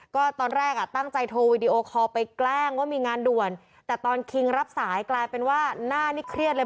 ก็ตอนแรกอ่ะตั้งใจโทรวีดีโอคอลไปแกล้งว่ามีงานด่วนแต่ตอนคิงรับสายกลายเป็นว่าหน้านี่เครียดเลย